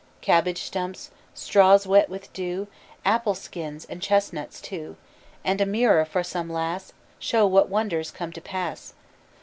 Cabbage stumps straws wet with dew Apple skins, and chestnuts too, And a mirror for some lass Show what wonders come to pass.